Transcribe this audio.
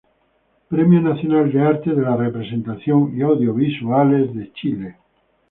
Premio Nacional de Artes de la Representación y Audiovisuales de Chile.